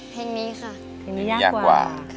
เพลงนี้ค่ะเพลงนี้ยากกว่า